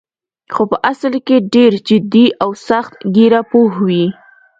خو په اصل کې ډېر جدي او سخت ګیره پوه وې.